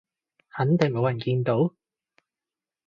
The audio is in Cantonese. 肯定冇人見到？